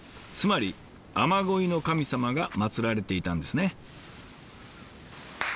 つまり雨乞いの神様がまつられていたんですね。